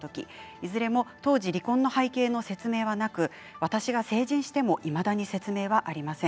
いずれも当時、離婚の背景の説明はなく私が成人してもいまだに説明はありません。